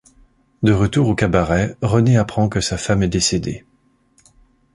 De retour au cabaret René apprend que sa femme est décédée.